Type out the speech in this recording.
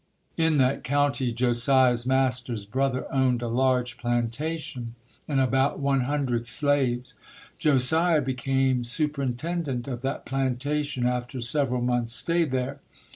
In that county Josiah's master's brother owned a large plantation and about one hundred slaves. Josiah became superintendent of that plantation after several months' stay there.